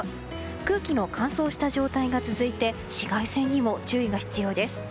空気の乾燥した状態が続いて紫外線にも注意が必要です。